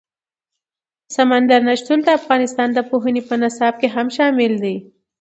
سمندر نه شتون د افغانستان د پوهنې په نصاب کې هم شامل دي.